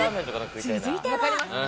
続いては。